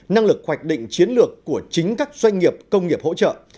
năng lực hoạch định chiến lược của chính các doanh nghiệp công nghiệp hỗ trợ